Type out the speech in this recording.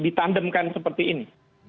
ditandemkan seperti ini